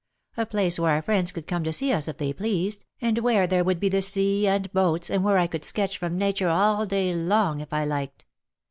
A place where our friends could come to see us if they pleased, and where there would be the sea and boats, and where I could sketch from nature all day long, if I liked.